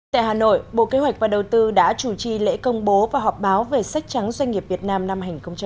tại hà nội bộ kế hoạch và đầu tư đã chủ trì lễ công bố và họp báo về sách trắng doanh nghiệp việt nam năm hai nghìn một mươi chín